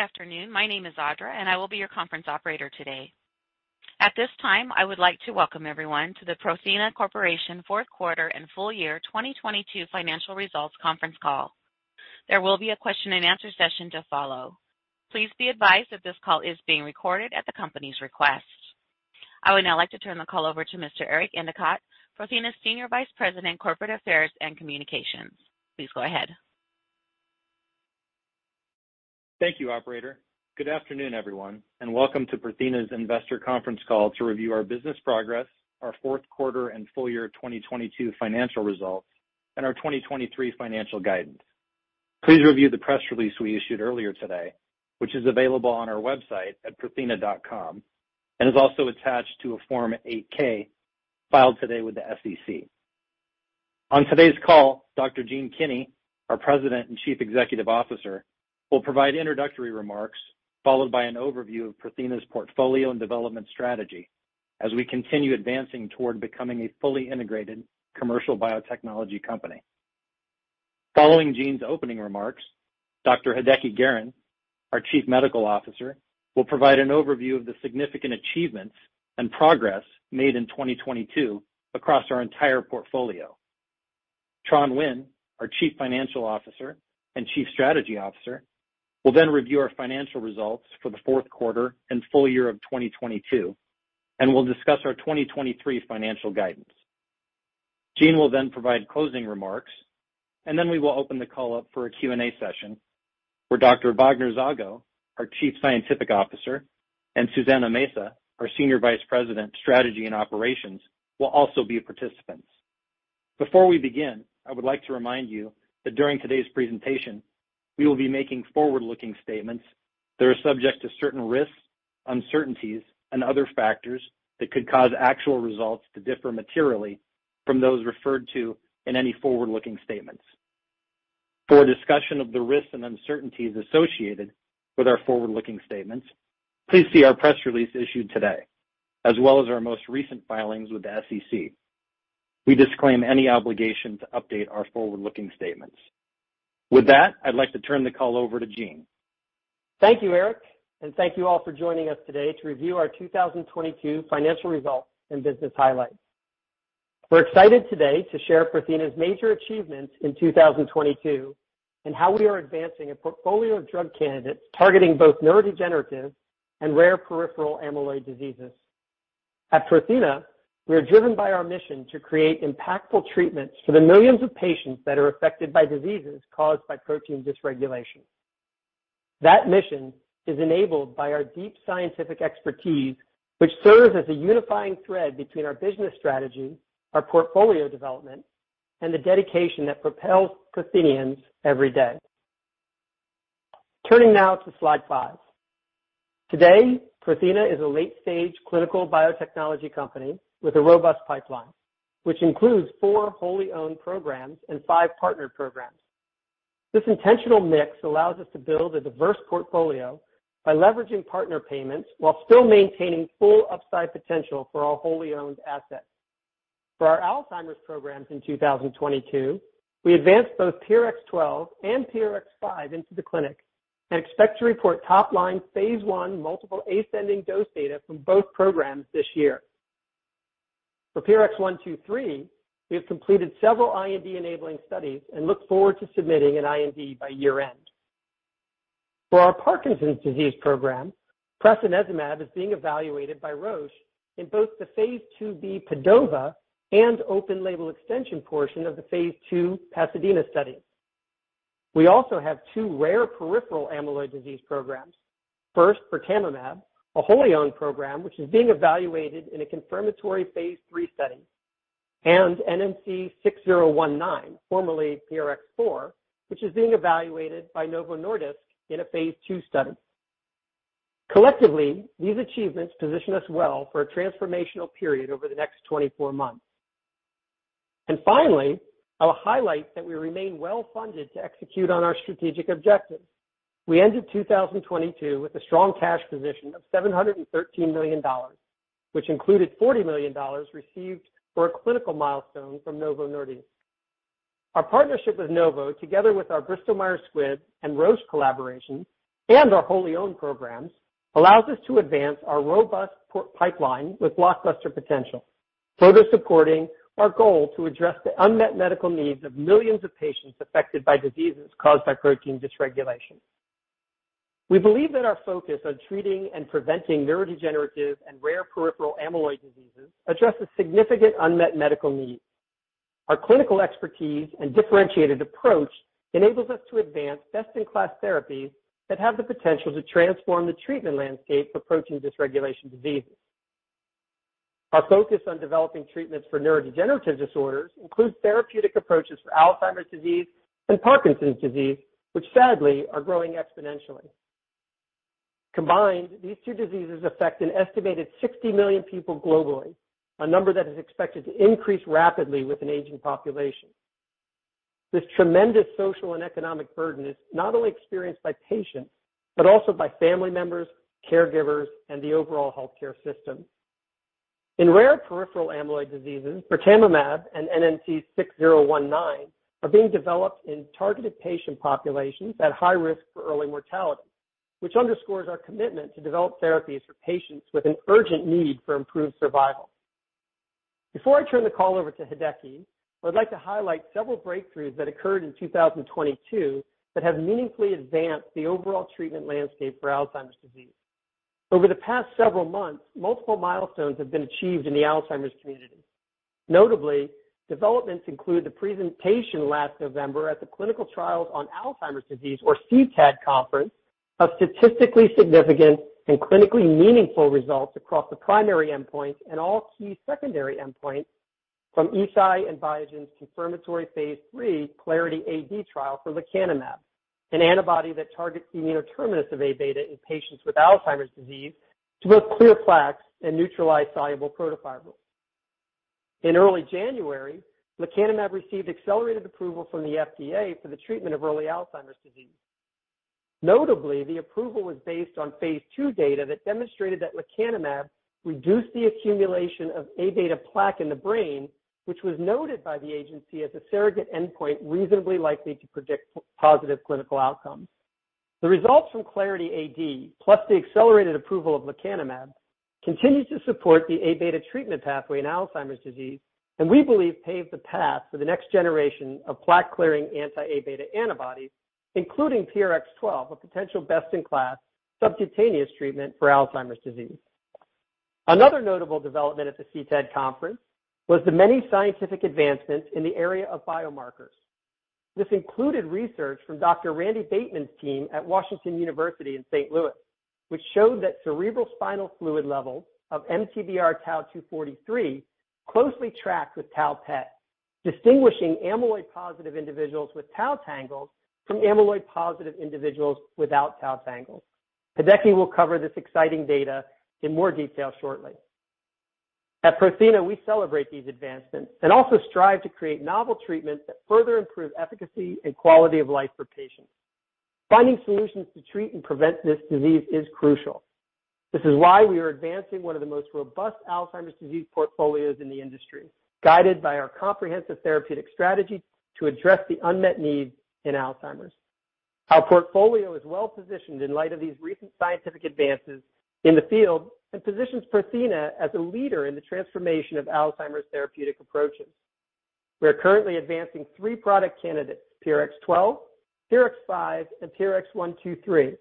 Good afternoon. My name is Audra, and I will be your conference operator today. At this time, I would like to welcome everyone to the Prothena Corporation fourth quarter and full year 2022 financial results conference call. There will be a question and answer session to follow. Please be advised that this call is being recorded at the company's request. I would now like to turn the call over to Mr. Eric Endicott, Prothena's Senior Vice President, Corporate Affairs and Communications. Please go ahead. Thank you, operator. Good afternoon, everyone, and welcome to Prothena's investor conference call to review our business progress, our fourth quarter and full year 2022 financial results, and our 2023 financial guidance. Please review the press release we issued earlier today, which is available on our website at prothena.com and is also attached to a Form 8-K filed today with the SEC. On today's call, Dr. Gene Kinney, our President and Chief Executive Officer, will provide introductory remarks followed by an overview of Prothena's portfolio and development strategy as we continue advancing toward becoming a fully integrated commercial biotechnology company. Following Gene's opening remarks, Dr. Hideki Garren, our Chief Medical Officer, will provide an overview of the significant achievements and progress made in 2022 across our entire portfolio. Tran Nguyen, our Chief Financial Officer and Chief Strategy Officer, will review our financial results for the fourth quarter and full year of 2022 and will discuss our 2023 financial guidance. Gene will provide closing remarks. We will open the call up for a Q&A session where Dr. Wagner Zago, our Chief Scientific Officer, and Susanna Mesa, our Senior Vice President, Strategy and Operations, will also be participants. Before we begin, I would like to remind you that during today's presentation, we will be making forward-looking statements that are subject to certain risks, uncertainties, and other factors that could cause actual results to differ materially from those referred to in any forward-looking statements. For a discussion of the risks and uncertainties associated with our forward-looking statements, please see our press release issued today, as well as our most recent filings with the SEC. We disclaim any obligation to update our forward-looking statements. With that, I'd like to turn the call over to Gene. Thank you, Eric, and thank you all for joining us today to review our 2022 financial results and business highlights. We're excited today to share Prothena's major achievements in 2022 and how we are advancing a portfolio of drug candidates targeting both neurodegenerative and rare peripheral amyloid diseases. At Prothena, we are driven by our mission to create impactful treatments for the millions of patients that are affected by diseases caused by protein dysregulation. That mission is enabled by our deep scientific expertise, which serves as a unifying thread between our business strategy, our portfolio development, and the dedication that propels Prothenians every day. Turning now to slide five. Today, Prothena is a late-stage clinical biotechnology company with a robust pipeline, which includes four wholly owned programs and five partnered programs. This intentional mix allows us to build a diverse portfolio by leveraging partner payments while still maintaining full upside potential for our wholly owned assets. For our Alzheimer's programs in 2022, we advanced both PRX012 and PRX005 into the clinic and expect to report top-line phase I multiple ascending dose data from both programs this year. For PRX123, we have completed several IND-enabling studies and look forward to submitting an IND by year-end. For our Parkinson's disease program, prasinezumab is being evaluated by Roche in both the phase II-B PADOVA and open label extension portion of the phase II PASADENA studies. We also have two rare peripheral amyloid disease programs. First, birtamimab, a wholly owned program which is being evaluated in a confirmatory phase III setting, and NNC6019, formerly PRX004, which is being evaluated by Novo Nordisk in a phase II study. Collectively, these achievements position us well for a transformational period over the next 24 months. Finally, I will highlight that we remain well funded to execute on our strategic objectives. We ended 2022 with a strong cash position of $713 million, which included $40 million received for a clinical milestone from Novo Nordisk. Our partnership with Novo, together with our Bristol Myers Squibb and Roche collaborations and our wholly owned programs, allows us to advance our robust pipeline with blockbuster potential, further supporting our goal to address the unmet medical needs of millions of patients affected by diseases caused by protein dysregulation. We believe that our focus on treating and preventing neurodegenerative and rare peripheral amyloid diseases addresses significant unmet medical needs. Our clinical expertise and differentiated approach enables us to advance best-in-class therapies that have the potential to transform the treatment landscape for protein dysregulation diseases. Our focus on developing treatments for neurodegenerative disorders includes therapeutic approaches for Alzheimer's disease and Parkinson's disease, which sadly are growing exponentially. Combined, these two diseases affect an estimated 60 million people globally, a number that is expected to increase rapidly with an aging population. This tremendous social and economic burden is not only experienced by patients, but also by family members, caregivers, and the overall healthcare system. In rare peripheral amyloid diseases, birtamimab and NNC6019 are being developed in targeted patient populations at high risk for early mortality, which underscores our commitment to develop therapies for patients with an urgent need for improved survival. Before I turn the call over to Hideki, I'd like to highlight several breakthroughs that occurred in 2022 that have meaningfully advanced the overall treatment landscape for Alzheimer's disease. Over the past several months, multiple milestones have been achieved in the Alzheimer's community. Notably, developments include the presentation last November at the Clinical Trials on Alzheimer's Disease, or CTAD conference, of statistically significant and clinically meaningful results across the primary endpoints and all key secondary endpoints from Eisai and Biogen's confirmatory phase III CLARITY AD trial for lecanemab, an antibody that targets the amino terminus of Aβ in patients with Alzheimer's disease to both clear plaques and neutralize soluble protofibrils. In early January, lecanemab received accelerated approval from the FDA for the treatment of early Alzheimer's disease. Notably, the approval was based on phase II data that demonstrated that lecanemab reduced the accumulation of Aβ plaque in the brain, which was noted by the agency as a surrogate endpoint reasonably likely to predict positive clinical outcomes. The results from CLARITY AD, plus the accelerated approval of lecanemab, continues to support the Aβ treatment pathway in Alzheimer's disease, and we believe paved the path for the next generation of plaque-clearing anti-Aβ plaque antibodies, including PRX012, a potential best-in-class subcutaneous treatment for Alzheimer's disease. Another notable development at the CTAD conference was the many scientific advancements in the area of biomarkers. This included research from Dr. Randall Bateman's team at Washington University in St. Louis, which showed that cerebral spinal fluid level of MTBR-tau243 closely tracked with tau PET, distinguishing amyloid-positive individuals with tau tangles from amyloid-positive individuals without tau tangles. Hideki will cover this exciting data in more detail shortly. At Prothena, we celebrate these advancements and also strive to create novel treatments that further improve efficacy and quality of life for patients. Finding solutions to treat and prevent this disease is crucial. This is why we are advancing one of the most robust Alzheimer's disease portfolios in the industry, guided by our comprehensive therapeutic strategy to address the unmet need in Alzheimer's. Our portfolio is well-positioned in light of these recent scientific advances in the field and positions Prothena as a leader in the transformation of Alzheimer's therapeutic approaches. We are currently advancing three product candidates, PRX012, PRX005, and PRX123,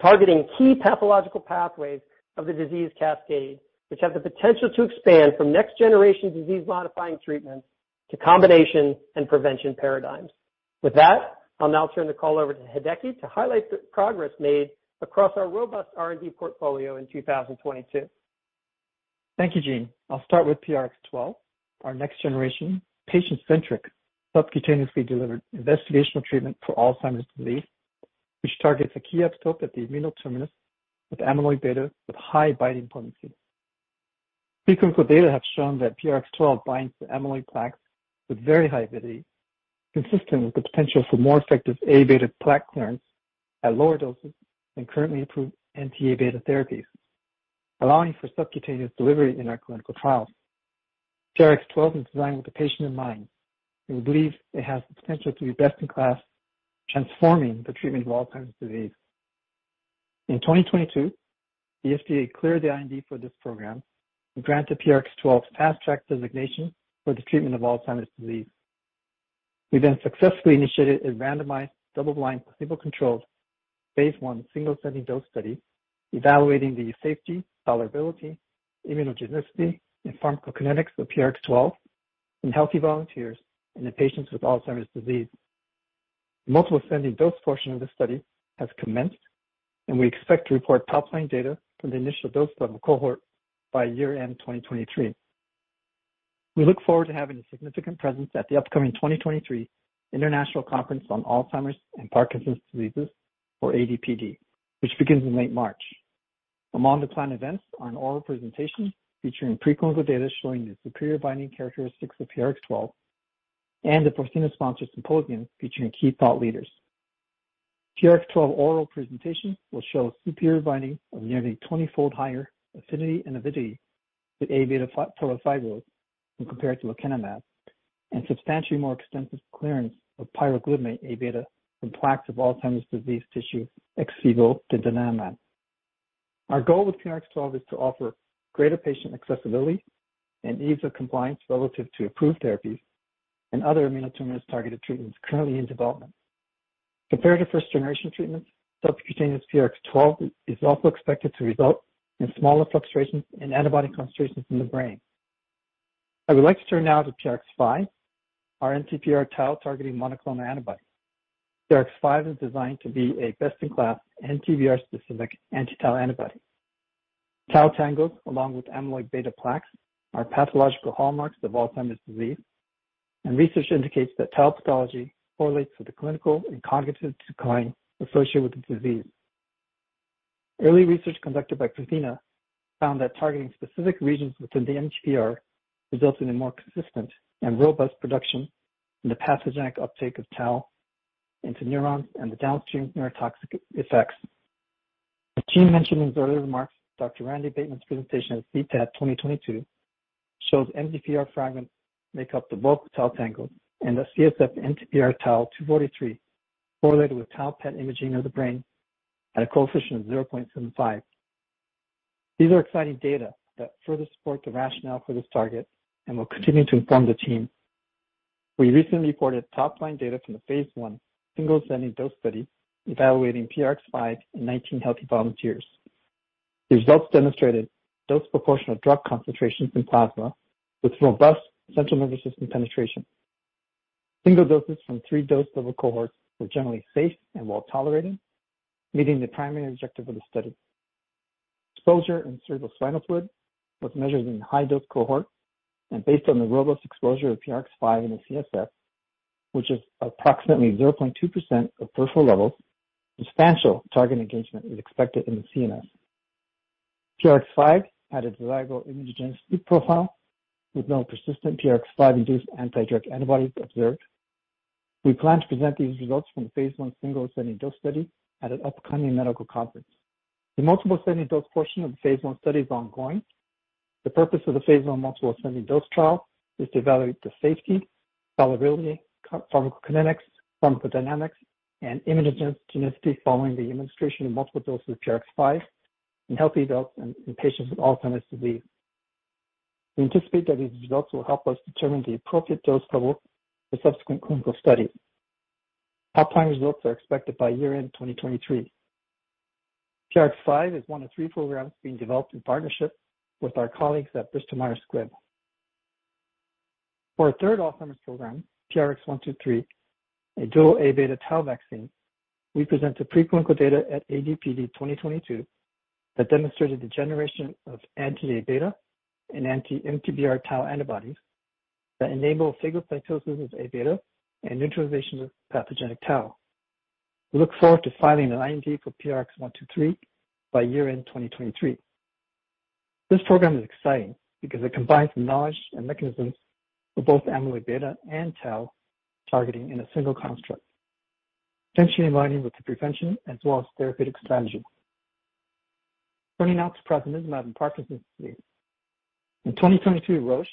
targeting key pathological pathways of the disease cascade, which have the potential to expand from next-generation disease-modifying treatments to combination and prevention paradigms. With that, I'll now turn the call over to Hideki to highlight the progress made across our robust R&D portfolio in 2022. Thank you, Gene. I'll start with PRX012, our next-generation patient-centric subcutaneously delivered investigational treatment for Alzheimer's disease, which targets a key epitope at the amino terminus with amyloid beta with high binding potency. Preclinical data have shown that PRX012 binds to amyloid plaques with very high avidity, consistent with the potential for more effective Aβ plaque clearance at lower doses than currently approved anti-Aβ therapies, allowing for subcutaneous delivery in our clinical trials. PRX012 is designed with the patient in mind. We believe it has the potential to be best in class, transforming the treatment of Alzheimer's disease. In 2022, the FDA cleared the IND for this program and granted PRX012's Fast Track designation for the treatment of Alzheimer's disease. We successfully initiated a randomized double-blind placebo-controlled phase I single ascending dose study evaluating the safety, tolerability, immunogenicity, and pharmacokinetics of PRX012 in healthy volunteers and in patients with Alzheimer's disease. Multiple ascending dose portion of the study has commenced, and we expect to report top-line data from the initial dose level cohort by year-end 2023. We look forward to having a significant presence at the upcoming 2023 International Conference on Alzheimer's and Parkinson's Diseases, or ADPD, which begins in late March. Among the planned events are an oral presentation featuring preclinical data showing the superior binding characteristics of PRX012 and the Prothena-sponsored symposium featuring key thought leaders. PRX012 oral presentation will show superior binding of nearly 20-fold higher affinity and avidity to Aβ protofibrils when compared to lecanemab and substantially more extensive clearance of pyroglutamate Aβ from plaques of Alzheimer's disease tissue ex vivo than donanemab. Our goal with PRX012 is to offer greater patient accessibility and ease of compliance relative to approved therapies and other amino terminus-targeted treatments currently in development. Compared to first-generation treatments, subcutaneous PRX012 is also expected to result in smaller fluctuations in antibody concentrations in the brain. I would like to turn now to PRX005, our MTBR-tau targeting monoclonal antibody. PRX005 is designed to be a best-in-class MTBR-specific anti-tau antibody. Tau tangles, along with amyloid beta plaques, are pathological hallmarks of Alzheimer's disease, and research indicates that tau pathology correlates with the clinical and cognitive decline associated with the disease. Early research conducted by Prothena found that targeting specific regions within the MTBR resulted in more consistent and robust reduction in the pathogenic uptake of tau into neurons and the downstream neurotoxic effects. As Gene mentioned in his earlier remarks, Dr. Randall Bateman's presentation at CTAD 2022 shows MTBR fragments make up the bulk of tau tangles and that CSF MTBR-tau243 correlated with tau PET imaging of the brain at a coefficient of 0.75. These are exciting data that further support the rationale for this target and will continue to inform the team. We recently reported top line data from the phase I single ascending dose study evaluating PRX005 in 19 healthy volunteers. The results demonstrated dose proportional drug concentrations in plasma with robust central nervous system penetration. Single doses from three dose level cohorts were generally safe and well-tolerated, meeting the primary objective of the study. Based on the robust exposure of PRX005 in the CSF, which is approximately 0.2% of peripheral levels, substantial target engagement is expected in the CNS. PRX005 had a reliable immunogenicity profile with no persistent PRX005-induced anti-drug antibodies observed. We plan to present these results from the phase I single ascending dose study at an upcoming medical conference. The multiple ascending dose portion of the phase I study is ongoing. The purpose of the phase I multiple ascending dose trial is to evaluate the safety, durability, co-pharmacokinetics, pharmacodynamics, and immunogenicity following the administration of multiple doses of PRX005 in healthy adults and in patients with Alzheimer's disease. We anticipate that these results will help us determine the appropriate dose level for subsequent clinical studies. Top line results are expected by year-end 2023. PRX005 is one of three programs being developed in partnership with our colleagues at Bristol Myers Squibb. For our third Alzheimer's program, PRX123, a dual Aβ tau vaccine, we presented preclinical data at ADPD 2022 that demonstrated the generation of anti-Aβ and anti-MTBR-tau antibodies that enable phagocytosis of Aβ and neutralization of pathogenic tau. We look forward to filing an IND for PRX123 by year-end 2023. This program is exciting because it combines knowledge and mechanisms for both amyloid beta and tau targeting in a single construct, potentially aligning with the prevention as well as therapeutic strategy. Turning now to prasinezumab in Parkinson's disease. In 2022, Roche,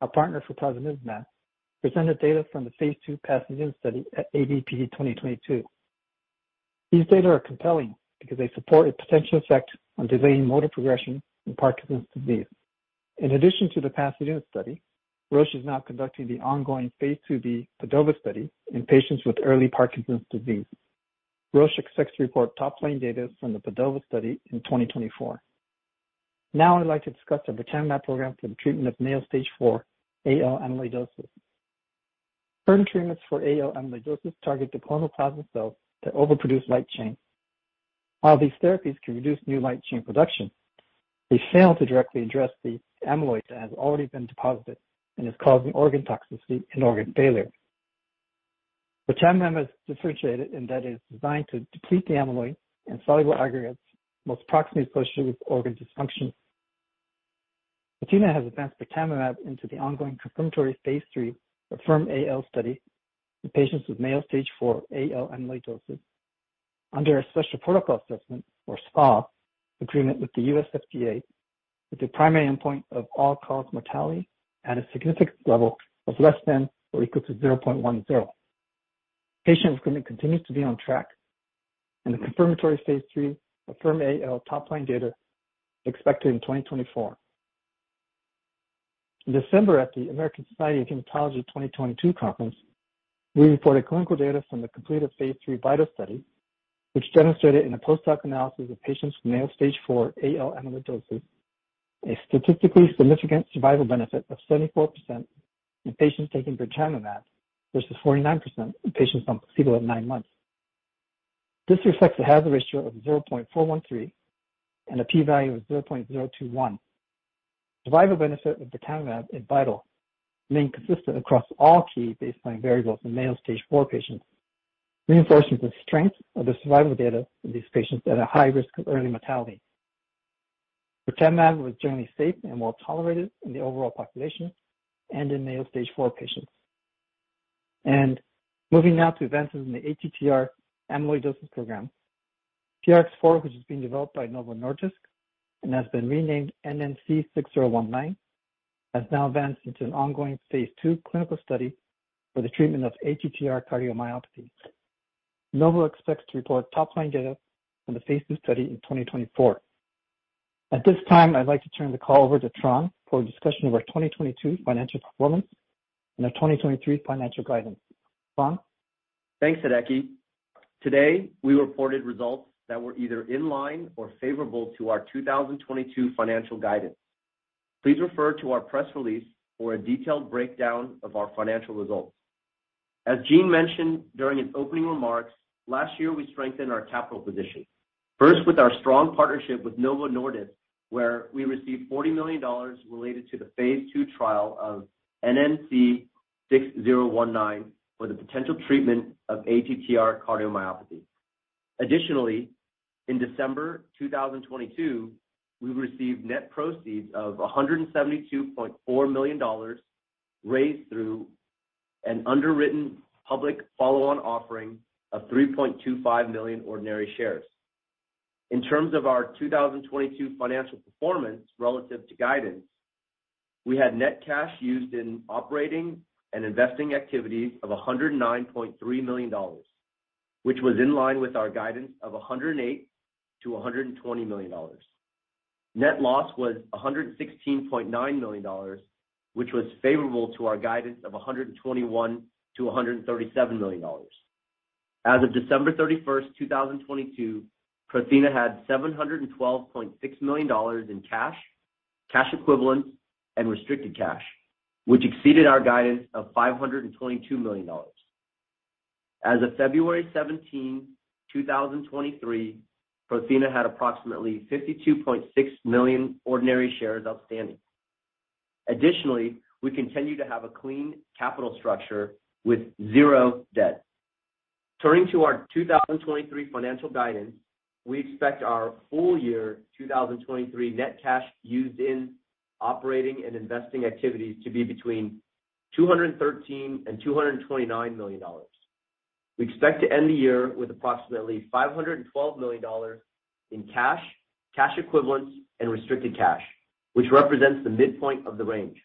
our partner for prasinezumab, presented data from the phase II PASADENA study at ADPD 2022. These data are compelling because they support a potential effect on delaying motor progression in Parkinson's disease. In addition to the PASADENA study, Roche is now conducting the ongoing phase II-B PADOVA study in patients with early Parkinson's disease. Roche expects to report top line data from the PADOVA study in 2024. Now I'd like to discuss the birtamimab program for the treatment of Mayo Stage IV AL amyloidosis. Current treatments for AL amyloidosis target the plasma cells that overproduce light chain. While these therapies can reduce new light chain production, they fail to directly address the amyloid that has already been deposited and is causing organ toxicity and organ failure. birtamimab is differentiated in that it is designed to deplete the amyloid and soluble aggregates most proximally associated with organ dysfunction. Prothena has advanced birtamimab into the ongoing confirmatory phase III AFFIRM-AL study in patients with Mayo Stage IV AL amyloidosis under a special protocol assessment or SPA agreement with the US FDA with the primary endpoint of all-cause mortality at a significance level of less than or equal to 0.10. Patient recruitment continues to be on track and the confirmatory phase III AFFIRM-AL top line data expected in 2024. In December, at the American Society of Hematology 2022 conference, we reported clinical data from the completed phase III VITAL study, which demonstrated in a post-hoc analysis of patients with Mayo Stage IV AL amyloidosis, a statistically significant survival benefit of 74% in patients taking birtamimab versus 49% in patients on placebo at nine months. This reflects a hazard ratio of 0.413 and a P value of 0.021. Survival benefit with birtamimab in VITAL remain consistent across all key baseline variables in Mayo Stage IV patients, reinforcing the strength of the survival data in these patients at a high risk of early mortality. birtamimab was generally safe and well-tolerated in the overall population and in Mayo Stage IV patients. Moving now to advances in the ATTR amyloidosis program. PRX004, which is being developed by Novo Nordisk and has been renamed NNC6019, has now advanced into an ongoing phase II clinical study for the treatment of ATTR cardiomyopathy. Novo expects to report top line data from the phase II study in 2024. At this time, I'd like to turn the call over to Tran for a discussion of our 2022 financial performance and our 2023 financial guidance. Tran? Thanks, Hideki. Today, we reported results that were either in line or favorable to our 2022 financial guidance. Please refer to our press release for a detailed breakdown of our financial results. As Gene mentioned during his opening remarks, last year we strengthened our capital position, first with our strong partnership with Novo Nordisk, where we received $40 million related to the phase II trial of NNC6019 for the potential treatment of ATTR-CM. In December 2022, we received net proceeds of $172.4 million raised through an underwritten public follow-on offering of 3.25 million ordinary shares. In terms of our 2022 financial performance relative to guidance, we had net cash used in operating and investing activities of $109.3 million, which was in line with our guidance of $108 million-$120 million. Net loss was $116.9 million, which was favorable to our guidance of $121 million-$137 million. As of December 31st, 2022, Prothena had $712.6 million in cash equivalents, and restricted cash, which exceeded our guidance of $522 million. As of February 17, 2023, Prothena had approximately 52.6 million ordinary shares outstanding. Additionally, we continue to have a clean capital structure with zero debt. Turning to our 2023 financial guidance, we expect our full year 2023 net cash used in operating and investing activities to be between $213 million and $229 million. We expect to end the year with approximately $512 million in cash equivalents, and restricted cash, which represents the midpoint of the range.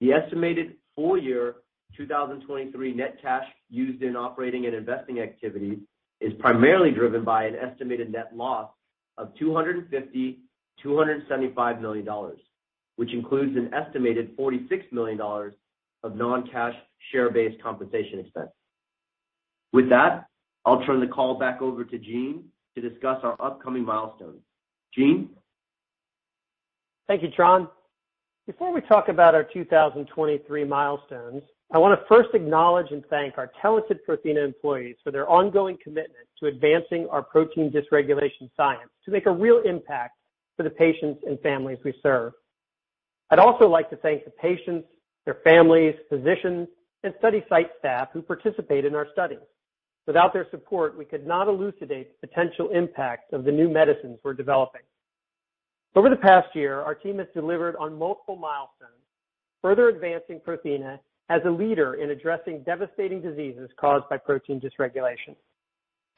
The estimated full year 2023 net cash used in operating and investing activities is primarily driven by an estimated net loss of $250 million-$275 million, which includes an estimated $46 million of non-cash share-based compensation expense. With that, I'll turn the call back over to Gene to discuss our upcoming milestones. Gene? Thank you, Tran. Before we talk about our 2023 milestones, I want to first acknowledge and thank our talented Prothena employees for their ongoing commitment to advancing our protein dysregulation science to make a real impact for the patients and families we serve. I'd also like to thank the patients, their families, physicians, and study site staff who participate in our studies. Without their support, we could not elucidate the potential impacts of the new medicines we're developing. Over the past year, our team has delivered on multiple milestones, further advancing Prothena as a leader in addressing devastating diseases caused by protein dysregulation.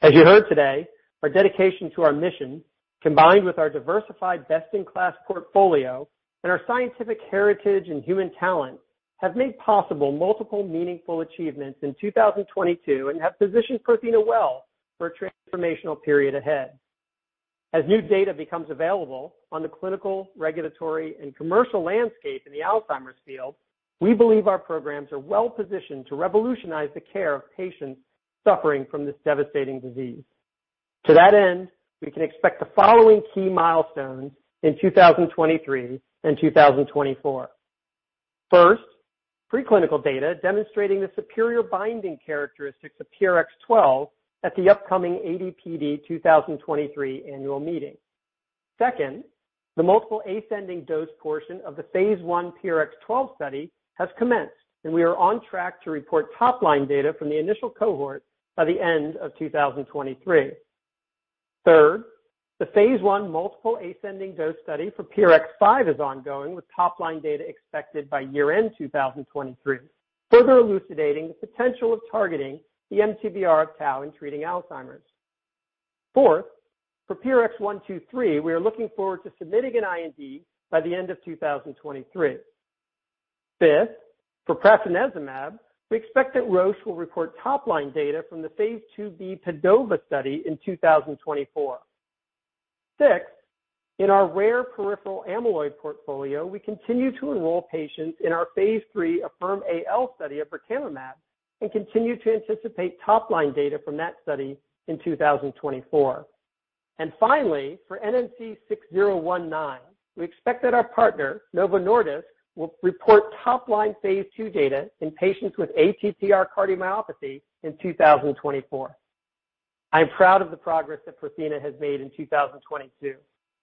As you heard today, our dedication to our mission, combined with our diversified best-in-class portfolio and our scientific heritage and human talent, have made possible multiple meaningful achievements in 2022 and have positioned Prothena well for a transformational period ahead. As new data becomes available on the clinical, regulatory, and commercial landscape in the Alzheimer's field, we believe our programs are well-positioned to revolutionize the care of patients suffering from this devastating disease. To that end, we can expect the following key milestones in 2023 and 2024. First, preclinical data demonstrating the superior binding characteristics of PRX012 at the upcoming ADPD 2023 annual meeting. Second, the multiple ascending dose portion of the phase I PRX012 study has commenced, and we are on track to report top-line data from the initial cohort by the end of 2023. Third, the phase I multiple ascending dose study for PRX005 is ongoing, with top-line data expected by year-end 2023, further elucidating the potential of targeting the MTBR-tau in treating Alzheimer's. Fourth, for PRX123, we are looking forward to submitting an IND by the end of 2023. Fifth, for prasinezumab, we expect that Roche will report top-line data from the phase II-B PADOVA study in 2024. Sixth, in our rare peripheral amyloid portfolio, we continue to enroll patients in our phase III AFFIRM-AL study of birtamimab and continue to anticipate top-line data from that study in 2024. Finally, for NNC6019, we expect that our partner, Novo Nordisk, will report top-line phase II data in patients with ATTR-CM in 2024. I'm proud of the progress that Prothena has made in 2022.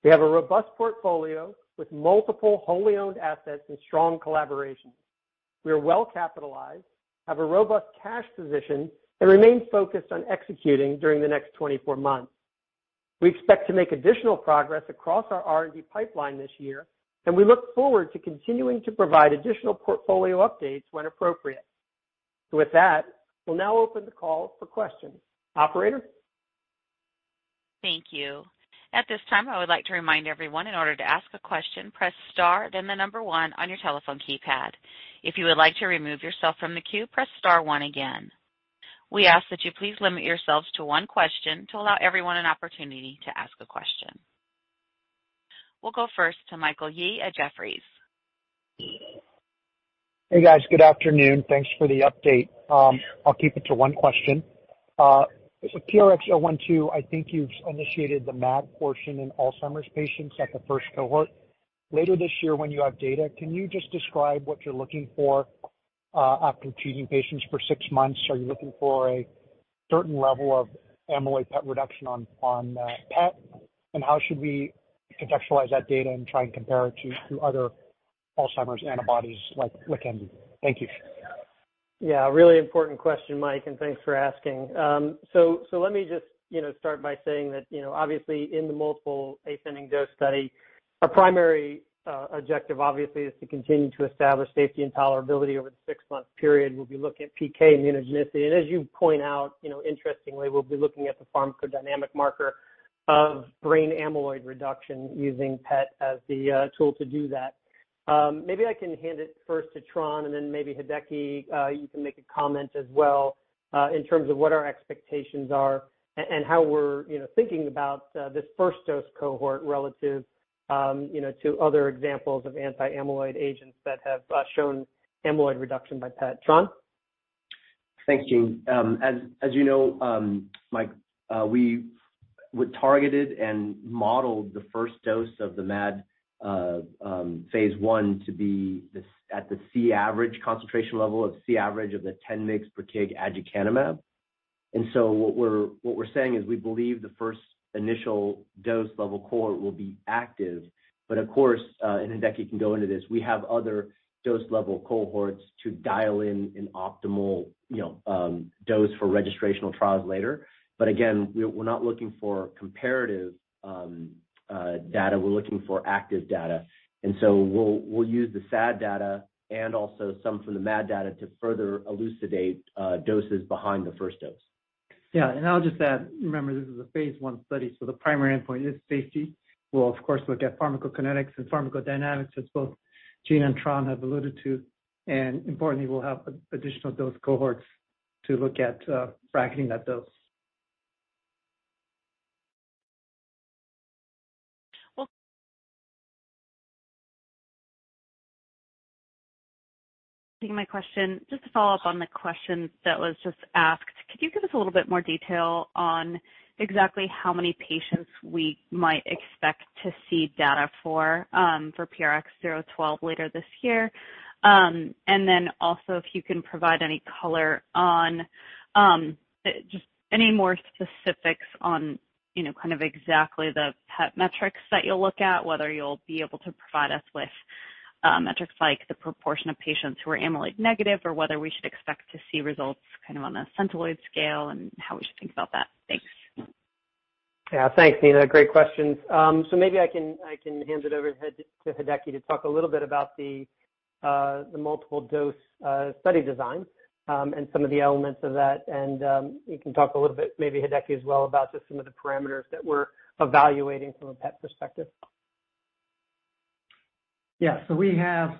We have a robust portfolio with multiple wholly owned assets and strong collaborations. We are well capitalized, have a robust cash position, and remain focused on executing during the next 24 months. We expect to make additional progress across our R&D pipeline this year, and we look forward to continuing to provide additional portfolio updates when appropriate. With that, we'll now open the call for questions. Operator? Thank you. At this time, I would like to remind everyone in order to ask a question, press star then one on your telephone keypad. If you would like to remove yourself from the queue, press star one again. We ask that you please limit yourselves to one question to allow everyone an opportunity to ask a question. We'll go first to Michael Yee at Jefferies. Hey, guys. Good afternoon. Thanks for the update. I'll keep it to one question. PRX012, I think you've initiated the MAD portion in Alzheimer's patients at the first cohort. Later this year when you have data, can you just describe what you're looking for after treating patients for six months? Are you looking for a certain level of amyloid PET reduction on PET? How should we contextualize that data and try and compare it to other Alzheimer's antibodies like Lecanemab? Thank you. Yeah, really important question, Mike, and thanks for asking. So let me just, you know, start by saying that, you know, obviously in the multiple ascending dose study, our primary objective obviously is to continue to establish safety and tolerability over the six-month period. We'll be looking at PK and immunogenicity. As you point out, you know, interestingly, we'll be looking at the pharmacodynamic marker of brain amyloid reduction using PET as the tool to do that. Maybe I can hand it first to Tran, and then maybe Hideki, you can make a comment as well, in terms of what our expectations are and how we're, you know, thinking about this first dose cohort relative, you know, to other examples of anti-amyloid agents that have shown amyloid reduction by PET. Tran? Thanks, Gene. You know, Mike, we would targeted and modeled the first dose of the MAD phase I to be this at the C average concentration level of C average of the 10 mg/kg aducanumab. What we're saying is we believe the first initial dose level cohort will be active. Of course, and Hideki can go into this, we have other dose level cohorts to dial in an optimal, you know, dose for registrational trials later. Again, we're not looking for comparative data, we're looking for active data. We'll use the SAD data and also some from the MAD data to further elucidate doses behind the first dose. Yeah. I'll just add, remember, this is a phase I study. The primary endpoint is safety. We'll of course look at pharmacokinetics and pharmacodynamics, as both Gene and Tran have alluded to. Importantly, we'll have additional dose cohorts to look at bracketing that dose. Taking my question, just to follow up on the question that was just asked, could you give us a little bit more detail on exactly how many patients we might expect to see data for PRX012 later this year? If you can also provide any color on just any more specifics on, you know, kind of exactly the PET metrics that you'll look at, whether you'll be able to provide us with metrics like the proportion of patients who are amyloid negative, or whether we should expect to see results kind of on a centiloids scale and how we should think about that. Thanks. Yeah. Thanks, Nina. Great questions. Maybe I can hand it over to Hideki to talk a little bit about the multiple dose study design, and some of the elements of that. You can talk a little bit maybe Hideki as well about just some of the parameters that we're evaluating from a PET perspective. We have,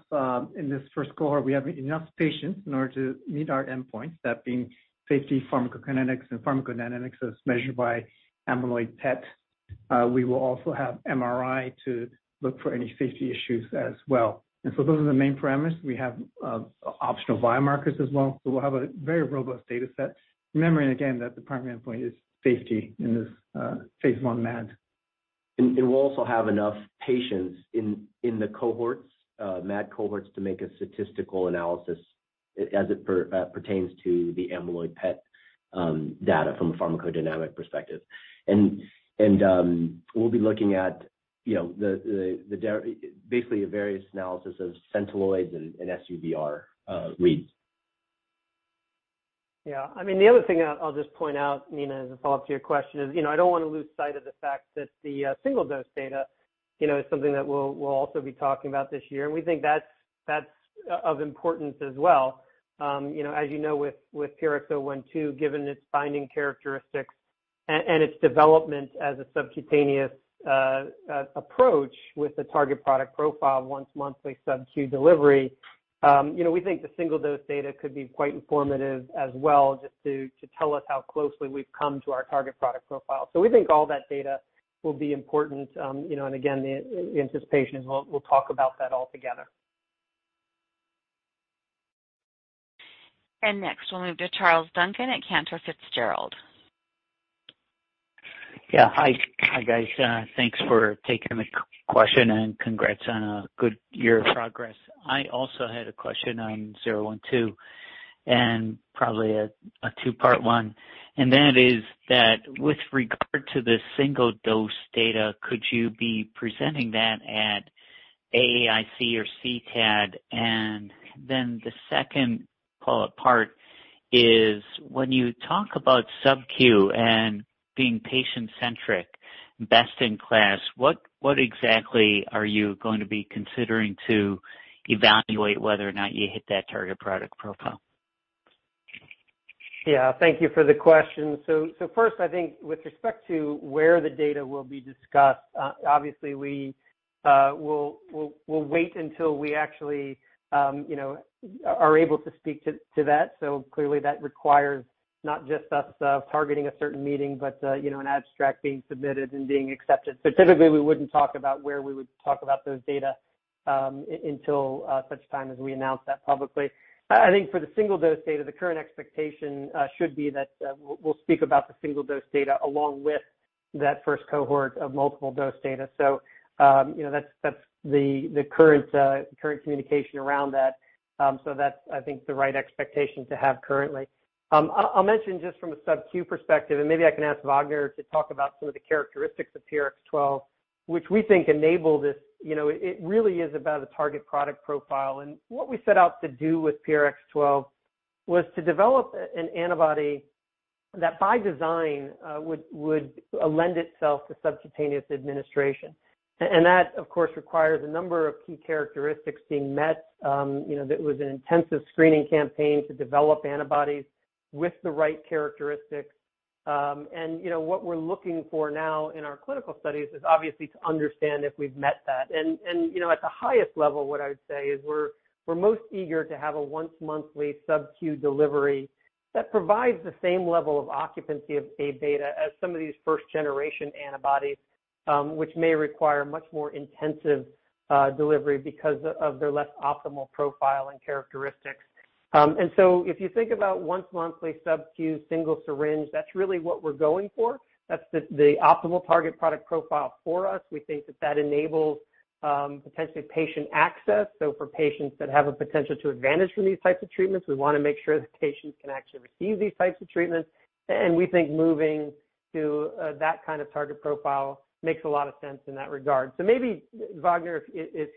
in this first cohort, we have enough patients in order to meet our endpoints, that being safety, pharmacokinetics and pharmacodynamics as measured by amyloid PET. We will also have MRI to look for any safety issues as well. Those are the main parameters. We have optional biomarkers as well. We'll have a very robust data set, remembering again that the primary endpoint is safety in this phase I MAD. We'll also have enough patients in the cohorts, MAD cohorts to make a statistical analysis as it pertains to the amyloid PET data from a pharmacodynamic perspective. We'll be looking at, you know, the basically a various analysis of centiloids and SUVR reads. Yeah. I mean, the other thing I'll just point out, Nina, as a follow-up to your question is, you know, I don't wanna lose sight of the fact that the single dose data, you know, is something that we'll also be talking about this year. We think that's of importance as well. You know, as you know, with PRX012, given its binding characteristics and its development as a subcutaneous approach with the target product profile once monthly subcutaneous delivery, you know, we think the single dose data could be quite informative as well, just to tell us how closely we've come to our target product profile. We think all that data will be important. You know, and again, the anticipation is we'll talk about that all together. Next, we'll move to Charles Duncan at Cantor Fitzgerald. Yeah. Hi. Hi, guys. Thanks for taking the question, Congrats on a good year of progress. I also had a question on 012 and probably a 2-part one. That is that with regard to the single dose data, could you be presenting that at AAIC or CTAD? The second part is when you talk about subcutaneous and being patient-centric, best-in-class, what exactly are you going to be considering to evaluate whether or not you hit that target product profile? Yeah. Thank you for the question. First, I think with respect to where the data will be discussed, obviously we'll wait until we actually, you know, are able to speak to that. Clearly that requires not just us targeting a certain meeting, but, you know, an abstract being submitted and being accepted. Typically, we wouldn't talk about where we would talk about those data until such time as we announce that publicly. I think for the single dose data, the current expectation should be that we'll speak about the single dose data along with that first cohort of multiple dose data. You know, that's the current communication around that. That's, I think, the right expectation to have currently. I'll mention just from a subcutaneous perspective. Maybe I can ask Wagner to talk about some of the characteristics of PRX012 which we think enable this. You know, it really is about a target product profile. What we set out to do with PRX012 was to develop an antibody that by design would lend itself to subcutaneous administration. That, of course, requires a number of key characteristics being met. You know, that was an intensive screening campaign to develop antibodies with the right characteristics. You know, what we're looking for now in our clinical studies is obviously to understand if we've met that. You know, at the highest level, what I would say is we're most eager to have a once-monthly subcutaneous delivery that provides the same level of occupancy of Aβ as some of these first-generation antibodies, which may require much more intensive delivery because of their less optimal profile and characteristics. If you think about once-monthly subcutaneous single syringe, that's really what we're going for. That's the optimal target product profile for us. We think that that enables potentially patient access. So for patients that have a potential to advantage from these types of treatments, we wanna make sure that patients can actually receive these types of treatments. We think moving to that kind of target profile makes a lot of sense in that regard. maybe Wagner, if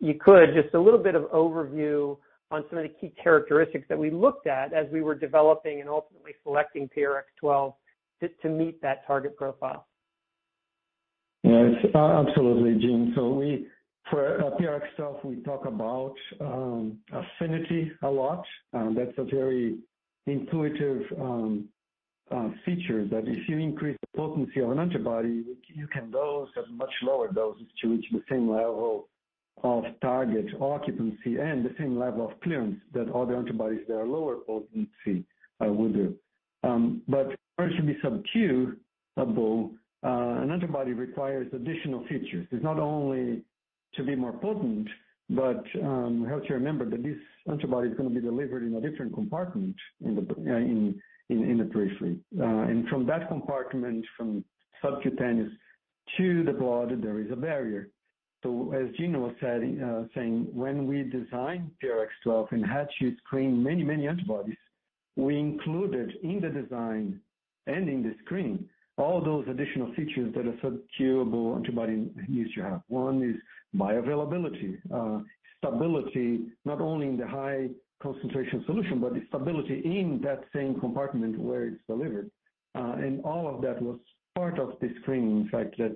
you could, just a little bit of overview on some of the key characteristics that we looked at as we were developing and ultimately selecting PRX123 to meet that target profile. Yes. Absolutely, Gene. For PRX012, we talk about affinity a lot. That's a very intuitive feature that if you increase the potency of an antibody, you can dose at much lower doses to reach the same level of target occupancy and the same level of clearance that other antibodies that are lower potency would do. In order to be subcutaneous-able, an antibody requires additional features. It's not only to be more potent, but you have to remember that this antibody is gonna be delivered in a different compartment in the periphery. From that compartment, from subcutaneous to the blood, there is a barrier. As Gene was saying, when we designed PRX012 and had to screen many, many antibodies, we included in the design and in the screen all those additional features that a subcutaneous-able antibody needs to have. One is bioavailability, stability, not only in the high concentration solution, but the stability in that same compartment where it's delivered. All of that was part of the screening factor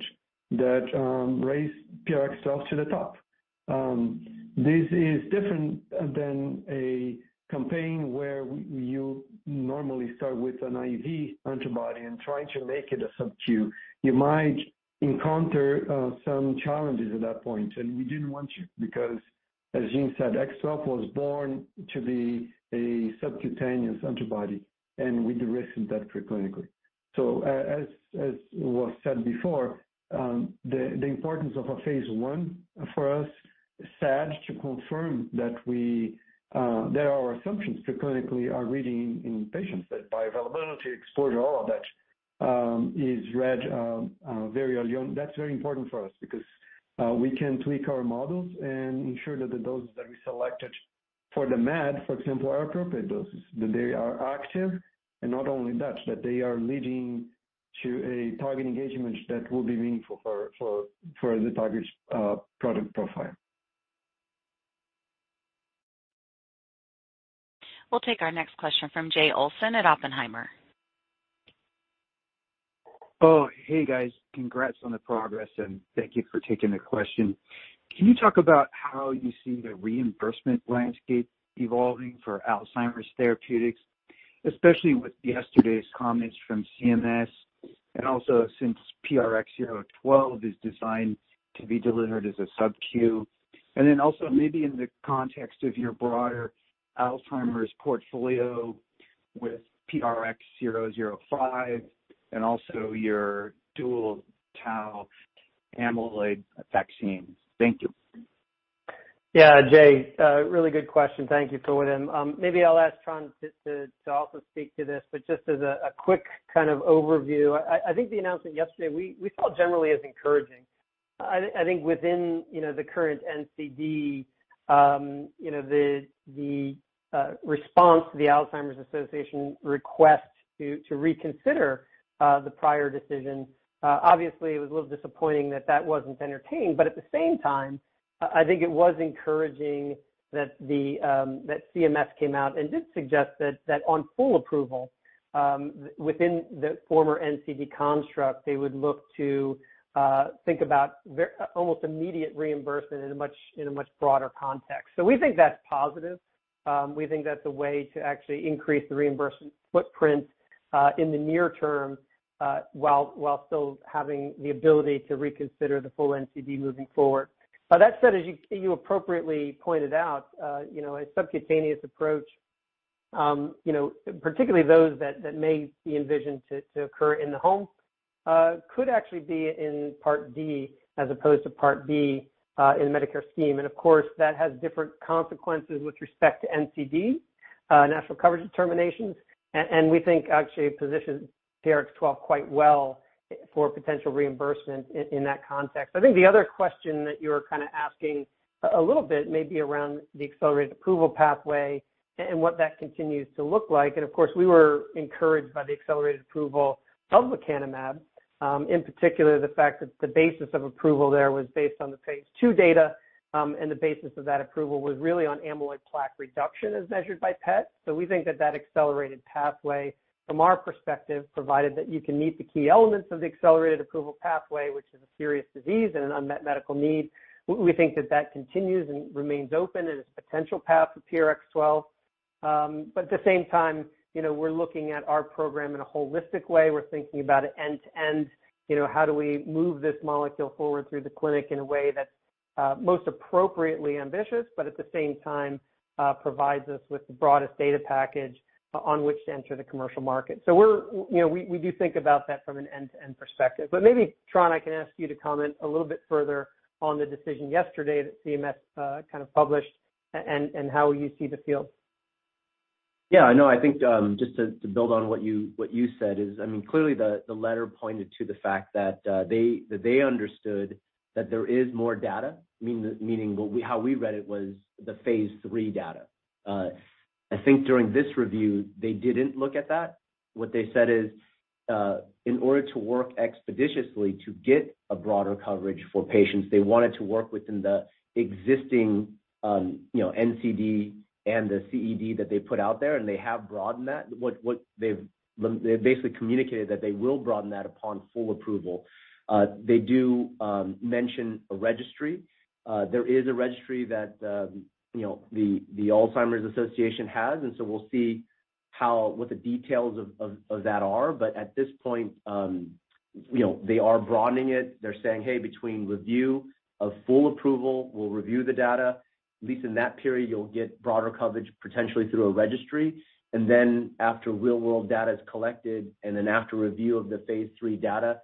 that raised PRX012 to the top. This is different than a campaign where you normally start with an IV antibody and try to make it a subcutaneous. You might encounter some challenges at that point, and we didn't want to because as Gene said, PRX012 was born to be a subcutaneous antibody, and we de-risked that preclinically. As was said before, the importance of a phase I for us, SAD, to confirm that we that our assumptions preclinically are reading in patients, that bioavailability exposure, all of that, is read very early on. That's very important for us because we can tweak our models and ensure that the doses that we selected for the MAD, for example, are appropriate doses, that they are active. Not only that they are leading to a target engagement that will be meaningful for the target's product profile. We'll take our next question from Jay Olson at Oppenheimer. Oh, hey, guys. Congrats on the progress, and thank you for taking the question. Can you talk about how you see the reimbursement landscape evolving for Alzheimer's therapeutics, especially with yesterday's comments from CMS and also since PRX012 is designed to be delivered as a subcutaneous? Also maybe in the context of your broader Alzheimer's portfolio with PRX005 and also your dual tau amyloid vaccines? Thank you. Yeah, Jay, really good question. Thank you for it. Maybe I'll ask Tran to also speak to this. Just as a quick kind of overview, I think the announcement yesterday, we saw generally as encouraging. I think within, you know, the current NCD, you know, the response to the Alzheimer's Association request to reconsider the prior decision, obviously it was a little disappointing that that wasn't entertained. At the same time, I think it was encouraging that CMS came out and did suggest that on full approval, within the former NCD construct, they would look to think about almost immediate reimbursement in a much broader context. We think that's positive. We think that's a way to actually increase the reimbursement footprint in the near term, while still having the ability to reconsider the full NCD moving forward. That said, as you appropriately pointed out, you know, a subcutaneous approach, you know, particularly those that may be envisioned to occur in the home, could actually be in Part D as opposed to Part B in the Medicare scheme. Of course, that has different consequences with respect to NCD, national coverage determinations. We think actually positions PRX012 quite well for potential reimbursement in that context. I think the other question that you were kinda asking a little bit may be around the accelerated approval pathway and what that continues to look like. Of course, we were encouraged by the accelerated approval of lecanemab, in particular the fact that the basis of approval there was based on the phase II data, and the basis of that approval was really on amyloid plaque reduction as measured by PET. We think that that accelerated pathway, from our perspective, provided that you can meet the key elements of the accelerated approval pathway, which is a serious disease and an unmet medical need, we think that that continues and remains open as a potential path for PRX012. At the same time, you know, we're looking at our program in a holistic way. We're thinking about it end to end. You know, how do we move this molecule forward through the clinic in a way that's most appropriately ambitious, but at the same time, provides us with the broadest data package on which to enter the commercial market. We do think about that from an end-to-end perspective. Maybe, Tran, I can ask you to comment a little bit further on the decision yesterday that CMS, kind of published and how you see the field. No, I think, just to build on what you, what you said is, I mean, clearly the letter pointed to the fact that they understood that there is more data, meaning how we read it was the phase III data. I think during this review, they didn't look at that. What they said is, in order to work expeditiously to get a broader coverage for patients, they wanted to work within the existing, you know, NCD and the CED that they put out there, and they have broadened that. They basically communicated that they will broaden that upon full approval. They do mention a registry. There is a registry that, you know, the Alzheimer's Association has, we'll see what the details of that are. At this point, you know, they are broadening it. They're saying, "Hey, between review of full approval, we'll review the data. At least in that period, you'll get broader coverage, potentially through a registry." After real-world data is collected and after review of the phase III data,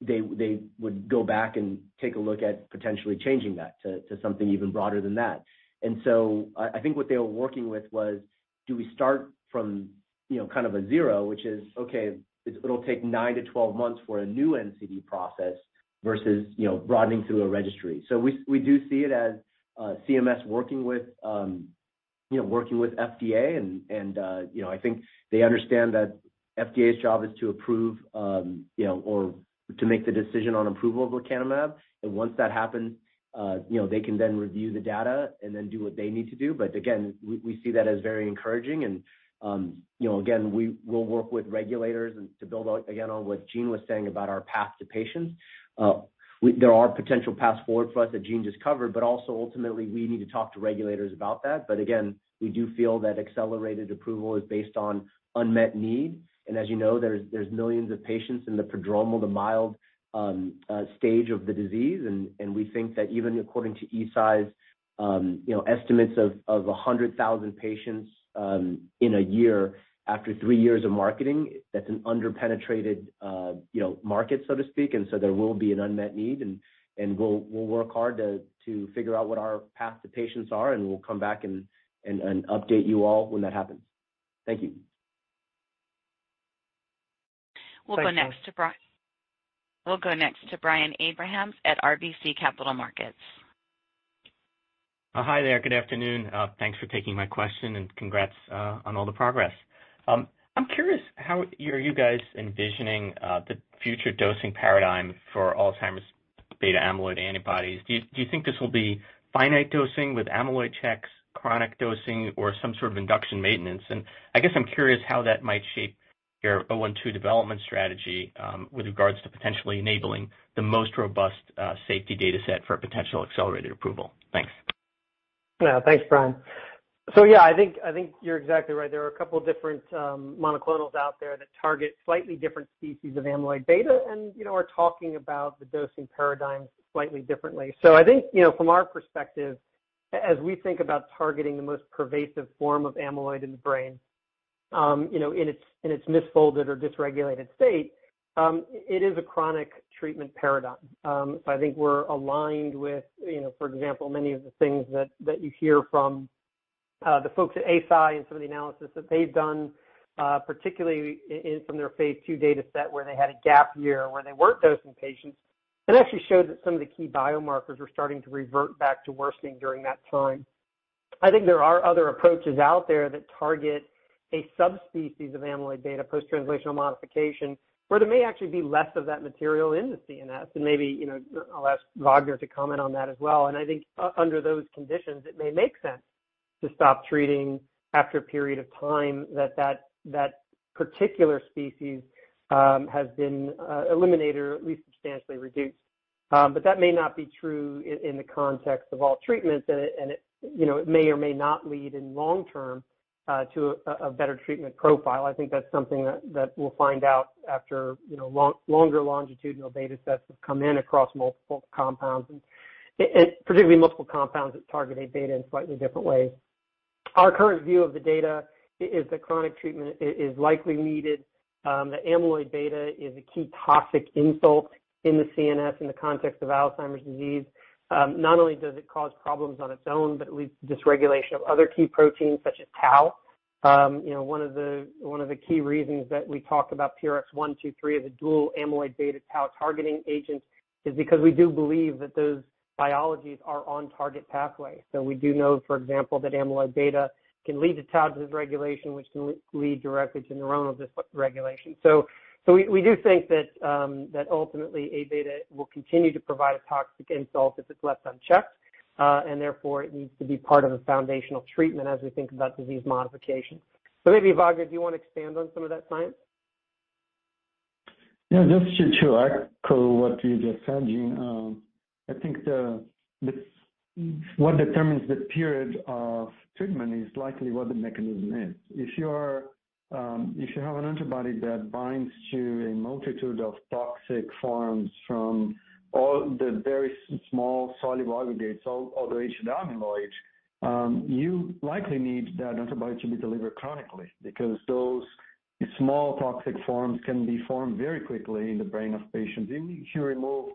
they would go back and take a look at potentially changing that to something even broader than that. I think what they were working with was, do we start from, you know, kind of a zero, which is, okay, it'll take 9-12 months for a new NCD process versus, you know, broadening through a registry. We do see it as CMS working with, you know, working with FDA, you know, I think they understand that FDA's job is to approve, you know, or to make the decision on approval of lecanemab. Once that happens, you know, they can then review the data and then do what they need to do. Again, we see that as very encouraging. You know, again, we'll work with regulators and to build, again, on what Gene was saying about our path to patients. There are potential paths forward for us that Gene just covered, but also ultimately, we need to talk to regulators about that. Again, we do feel that accelerated approval is based on unmet need. As you know, there's millions of patients in the prodromal, the mild stage of the disease. We think that even according to Eisai's, you know, estimates of 100,000 patients in a year after 3 years of marketing, that's an under-penetrated, you know, market, so to speak. There will be an unmet need, and we'll work hard to figure out what our path to patients are, and we'll come back and update you all when that happens. Thank you. Thanks, Tran. We'll go next to Brian Abrahams at RBC Capital Markets. Hi there. Good afternoon. Thanks for taking my question, and congrats on all the progress. I'm curious, how are you guys envisioning the future dosing paradigm for Alzheimer's Aβ antibodies? Do you think this will be finite dosing with amyloid checks, chronic dosing, or some sort of induction maintenance? I guess I'm curious how that might shape your PRX012 development strategy, with regards to potentially enabling the most robust safety data set for potential accelerated approval. Thanks. Yeah. Thanks, Brian. Yeah, I think you're exactly right. There are a couple of different monoclonals out there that target slightly different species of amyloid beta and, you know, are talking about the dosing paradigm slightly differently. I think, you know, from our perspective, as we think about targeting the most pervasive form of amyloid in the brain, you know, in its, in its misfolded or dysregulated state, it is a chronic treatment paradigm. I think we're aligned with, you know, for example, many of the things that you hear from the folks at Eisai and some of the analysis that they've done, particularly from their phase II data set where they had a gap year where they weren't dosing patients. It actually showed that some of the key biomarkers were starting to revert back to worsening during that time. I think there are other approaches out there that target a subspecies of amyloid beta post-translational modification, where there may actually be less of that material in the CNS. Maybe, you know, I'll ask Wagner to comment on that as well. I think under those conditions, it may make sense to stop treating after a period of time that particular species has been eliminated or at least substantially reduced. But that may not be true in the context of all treatments, and it, you know, it may or may not lead in long term to a better treatment profile. I think that's something that we'll find out after, you know, longer longitudinal data sets have come in across multiple compounds and particularly multiple compounds that target Aβ in slightly different ways. Our current view of the data is that chronic treatment is likely needed, that amyloid beta is a key toxic insult in the CNS in the context of Alzheimer's disease. Not only does it cause problems on its own, but it leads to dysregulation of other key proteins such as tau. You know, one of the key reasons that we talk about PRX123 as a dual amyloid beta tau targeting agent is because we do believe that those biologies are on target pathway. We do know, for example, that amyloid beta can lead to tau dysregulation, which can lead directly to neuronal dysregulation. We do think that ultimately Aβ will continue to provide a toxic insult if it's left unchecked, and therefore, it needs to be part of a foundational treatment as we think about disease modification. Maybe, Wagner, do you wanna expand on some of that science? Yeah. Just to echo what you just said, Gene, I think what determines the period of treatment is likely what the mechanism is. If you're, if you have an antibody that binds to a multitude of toxic forms from all the very small soluble aggregates, all the higher-order amyloids, you likely need that antibody to be delivered chronically because those small toxic forms can be formed very quickly in the brain of patients. Even if you removed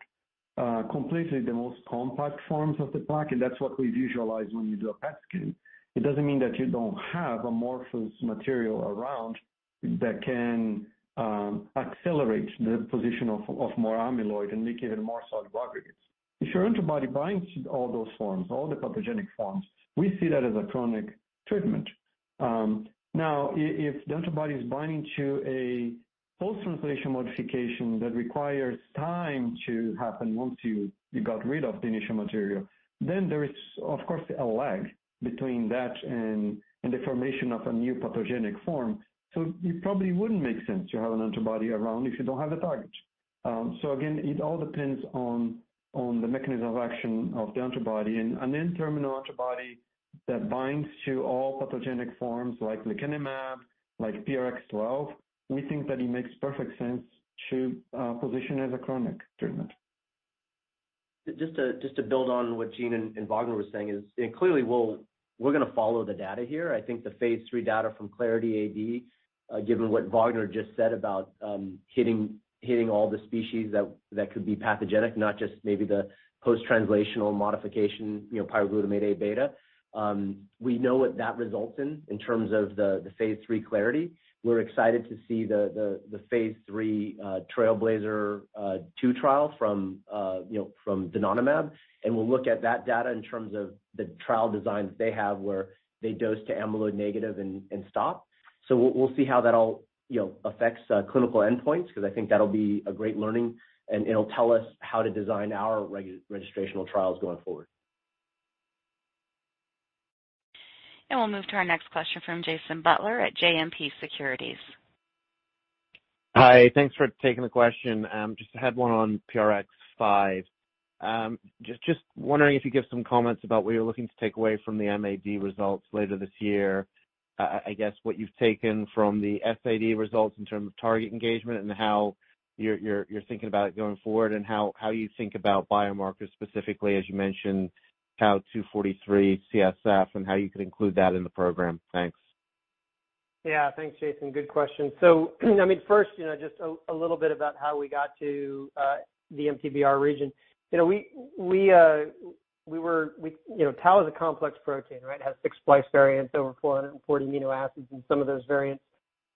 completely the most compact forms of the plaque, and that's what we visualize when we do a PET scan, it doesn't mean that you don't have amorphous material around that can accelerate the position of more amyloid and make even more solid aggregates. If your antibody binds to all those forms, all the pathogenic forms, we see that as a chronic treatment. Now if the antibody is binding to a post-translational modification that requires time to happen once you got rid of the initial material, there is, of course, a lag between that and the formation of a new pathogenic form. It probably wouldn't make sense to have an antibody around if you don't have a target. Again, it all depends on the mechanism of action of the antibody. An N-terminal antibody that binds to all pathogenic forms like lecanemab, like PRX012, we think that it makes perfect sense to position as a chronic treatment. Just to build on what Gene and Wagner was saying is, Clearly, we're gonna follow the data here. I think the phase III data from CLARITY AD, given what Wagner just said about hitting all the species that could be pathogenic, not just maybe the post-translational modification, you know, pyroglutamate Aβ, we know what that results in terms of the phase III Clarity. We're excited to see the phase III TRAILBLAZER 2 trial from you know, from donanemab, and we'll look at that data in terms of the trial designs they have where they dose to amyloid negative and stop. We'll see how that all, you know, affects clinical endpoints 'cause I think that'll be a great learning, and it'll tell us how to design our registrational trials going forward. We'll move to our next question from Jason Butler at JMP Securities. Hi. Thanks for taking the question. just had one on PRX005. just wondering if you could give some comments about what you're looking to take away from the MAD results later this year. I guess what you've taken from the SAD results in terms of target engagement and how you're thinking about it going forward and how you think about biomarkers specifically, as you mentioned, tau 243 CSF and how you could include that in the program. Thanks. Yeah. Thanks, Jason. Good question. I mean, first, you know, just a little bit about how we got to the MTBR region. You know, tau is a complex protein, right? It has six splice variants over 440 amino acids in some of those variants.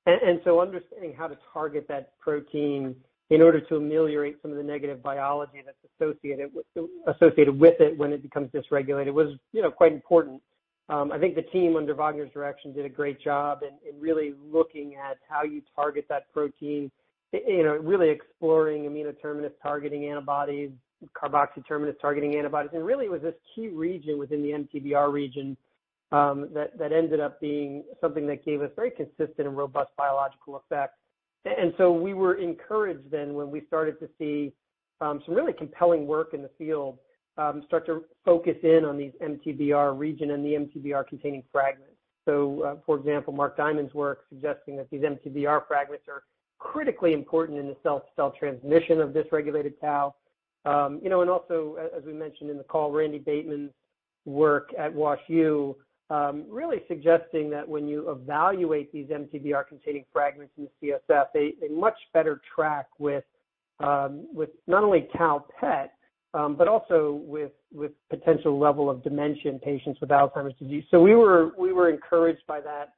Understanding how to target that protein in order to ameliorate some of the negative biology that's associated with it when it becomes dysregulated was, you know, quite important. I think the team under Wagner's direction did a great job in really looking at how you target that protein, you know, really exploring amino-terminus targeting antibodies, carboxyl terminus targeting antibodies. Really, it was this key region within the MTBR region that ended up being something that gave us very consistent and robust biological effect. We were encouraged then when we started to see some really compelling work in the field start to focus in on these MTBR region and the MTBR-containing fragments. For example, Marc Diamond's work suggesting that these MTBR fragments are critically important in the cell-to-cell transmission of dysregulated tau. You know, as we mentioned in the call, Randall Bateman's work at WashU really suggesting that when you evaluate these MTBR-containing fragments in the CSF, they much better track with not only tau PET, but also with potential level of dementia in patients with Alzheimer's disease. We were encouraged by that.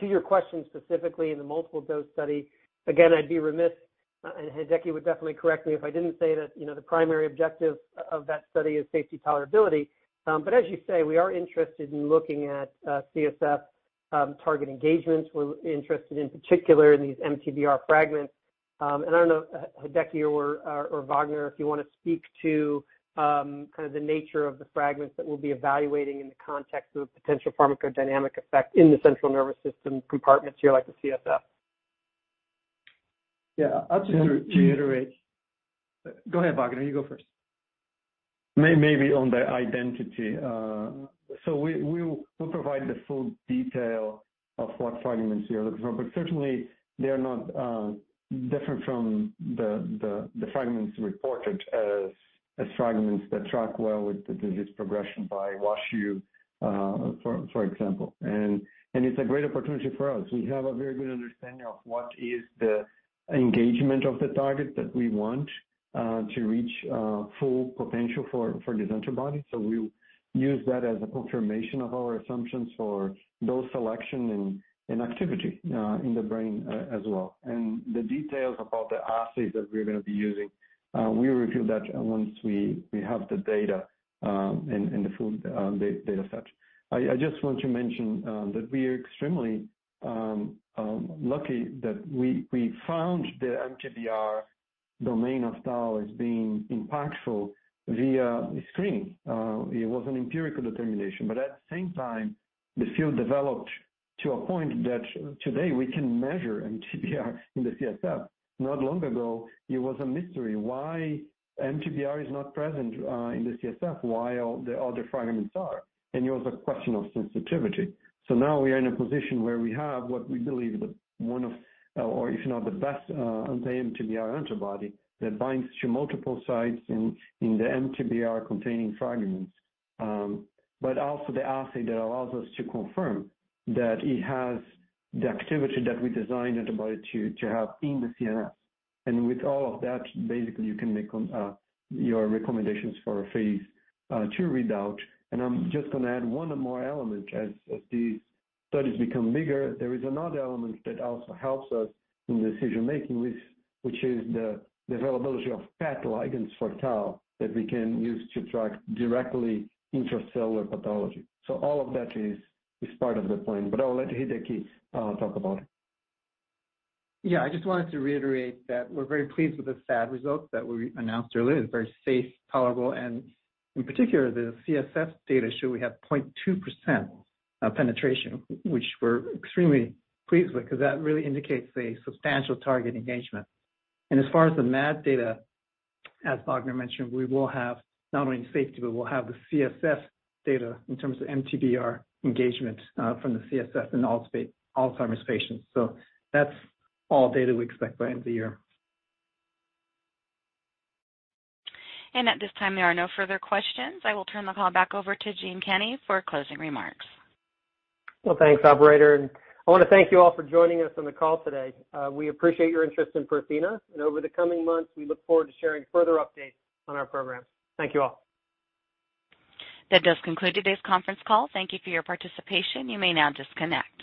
To your question specifically in the multiple dose study, again, I'd be remiss, and Hideki would definitely correct me if I didn't say that, you know, the primary objective of that study is safety tolerability. As you say, we are interested in looking at CSF target engagements. We're interested in particular in these MTBR fragments. I don't know, Hideki or Wagner, if you wanna speak to kind of the nature of the fragments that we'll be evaluating in the context of a potential pharmacodynamic effect in the central nervous system compartments here like the CSF. Yeah. I'll just reiterate. Go ahead, Wagner. You go first. Maybe on the identity. We'll provide the full detail of what fragments we are looking for. Certainly, they are not different from the fragments reported as fragments that track well with the disease progression by WashU for example. It's a great opportunity for us. We have a very good understanding of what is the engagement of the target that we want to reach full potential for this antibody. We'll use that as a confirmation of our assumptions for dose selection and activity in the brain as well. The details about the assays that we're gonna be using, we'll review that once we have the data and the full data set. I just want to mention that we are extremely lucky that we found the MTBR domain of tau as being impactful via a screen. It was an empirical determination. At the same time, the field developed to a point that today we can measure MTBR in the CSF. Not long ago, it was a mystery why MTBR is not present in the CSF while the other fragments are. It was a question of sensitivity. Now we are in a position where we have what we believe is one of, or if not the best, anti-MTBR antibody that binds to multiple sites in the MTBR-containing fragments. But also the assay that allows us to confirm that it has the activity that we designed antibody to have in the CSF. With all of that, basically, you can make your recommendations for a phase II readout. I'm just gonna add one more element. As the studies become bigger, there is another element that also helps us in decision-making, which is the availability of PET ligands for tau that we can use to track directly intracellular pathology. All of that is part of the plan. I'll let Hideki talk about it. I just wanted to reiterate that we're very pleased with the SAD results that we announced earlier. It's very safe, tolerable, and in particular, the CSF data show we have 0.2% penetration, which we're extremely pleased with because that really indicates a substantial target engagement. As far as the MAD data, as Wagner mentioned, we will have not only safety, but we'll have the CSF data in terms of MTBR engagement from the CSF in Alzheimer's patients. That's all data we expect by end of the year. At this time, there are no further questions. I will turn the call back over to Gene Kinney for closing remarks. Well, thanks, operator. I wanna thank you all for joining us on the call today. We appreciate your interest in Prothena. Over the coming months, we look forward to sharing further updates on our programs. Thank you all. That does conclude today's conference call. Thank you for your participation. You may now disconnect.